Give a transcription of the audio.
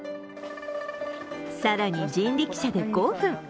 更に人力車で５分。